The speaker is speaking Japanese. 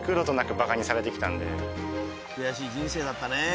悔しい人生だったね。